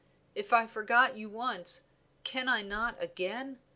If I forgot you once, can I not again?